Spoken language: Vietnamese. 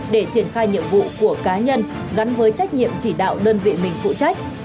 để triển khai nhiệm vụ của cá nhân gắn với trách nhiệm chỉ đạo đơn vị mình phụ trách